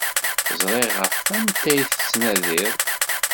Ẓriɣ ɣef wanta ay tettnadid.